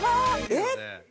えっ！？